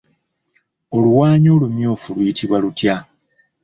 Oluwaanyi olumyufu luyitibwa lutya?